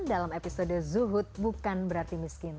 dalam episode zuhud bukan berarti miskin